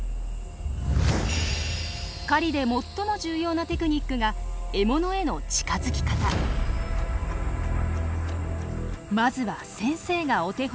狩りで最も重要なテクニックがまずは先生がお手本。